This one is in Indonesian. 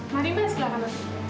mari mas silahkan